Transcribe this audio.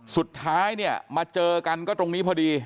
สุดท้ายเนี่ยมาเจอกันก็ตรงนี้พอดี